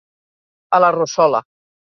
A la rossola.